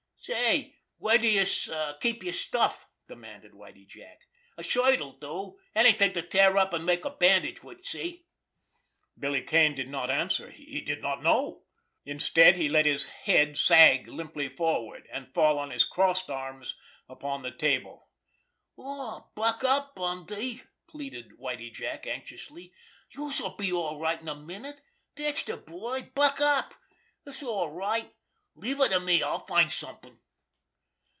"Say, where do youse keep yer stuff?" demanded Whitie Jack. "A shirt'll do—anything to tear up an' make a bandage wid, see?" Billy Kane did not answer. He did not know! Instead, he let his head sag limply forward, and fall on his crossed arms upon the table. "Aw, buck up, Bundy!" pleaded Whitie Jack anxiously. "Youse'll be all right in a minute. Dat's de boy! Buck up! It's all right! Leave it to me! I'll find something!"